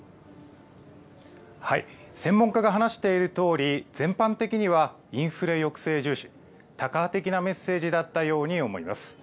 専門家が話しているとおり、全般的にはインフレ抑制重視、タカ派的なメッセージだったように思います。